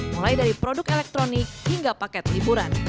mulai dari produk elektronik hingga paket liburan